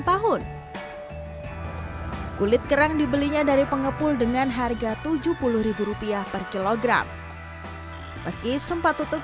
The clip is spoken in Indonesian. tahun kulit kerang dibelinya dari pengepul dengan harga tujuh puluh rupiah per kilogram meski sempat tutup